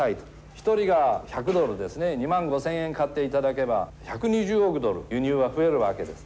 １人が１００ドルですね２万５，０００円買っていただければ１２０億ドル輸入は増えるわけです。